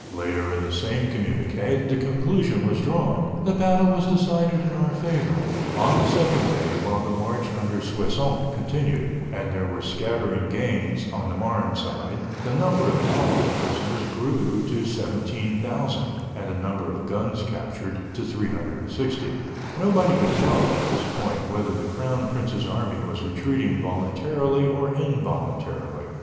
Later in the same communiqué the conclusion was drawn: "The battle was decided in our favor." On the second day, while the march under Soissons continued, and there were scattering gains on the Marne side, the number of Allied prisoners grew to 17,000, and the number of guns captured to 360. Nobody could tell, at this point, whether the crown prince's army was retreating voluntarily or involuntarily.